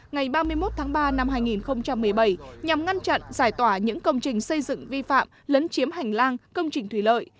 ngày ba mươi một tháng ba năm hai nghìn một mươi bảy nhằm ngăn chặn giải tỏa những công trình xây dựng vi phạm lấn chiếm hành lang công trình thủy lợi